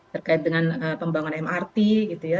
terkait dengan pembangunan mrt gitu ya